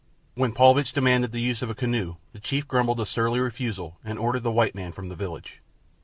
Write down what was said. When Paulvitch demanded the use of a canoe the chief grumbled a surly refusal and ordered the white man from the village.